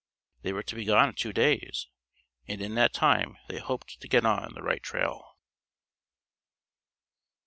They were to be gone two days, and in that time they hoped to get on the right trail.